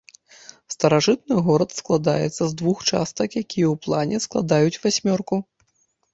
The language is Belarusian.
Старажытны горад складаецца з двух частак, якія ў плане складаюць васьмёрку.